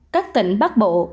một các tỉnh bắc bộ